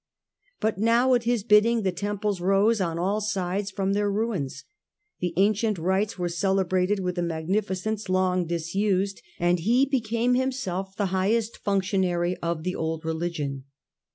But now at his bidding the temples rose on all sides from their ruins, the ancient rites were celebrated with a magnifi cence long disused, and he became himself the highest functionary of the old religion.